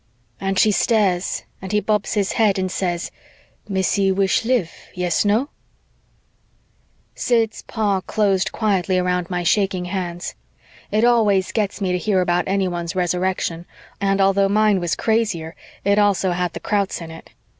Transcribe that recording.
_' and she stares and he bobs his head and says, 'Missy wish live, yes, no?'" Sid's paw closed quietly around my shaking hands. It always gets me to hear about anyone's Resurrection, and although mine was crazier, it also had the Krauts in it.